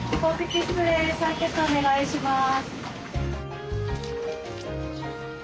採血お願いします。